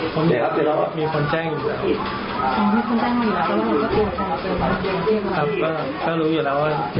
ไปฟังเลย